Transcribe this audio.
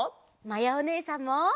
まやおねえさんも。